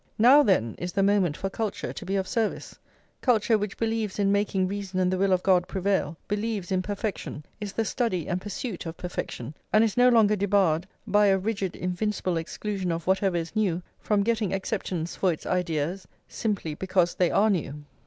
Now, then, is the moment for culture to be of service, culture which believes in making reason and the will of God prevail, believes in perfection, is the study and pursuit of perfection, and is no longer debarred, by a rigid invincible exclusion of whatever is new, from getting acceptance for its ideas, simply because they are new.